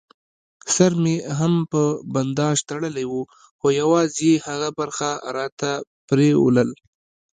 سر مې هم په بنداژ تړلی و، خو یوازې یې هغه برخه راته پرېولل.